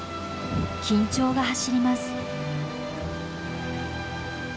緊張が走ります。